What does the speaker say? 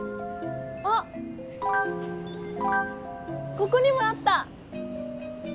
ここにもあった！